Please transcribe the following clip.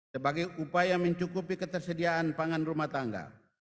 sebagai upaya mencukupi ketersediaan pangan rumah tangga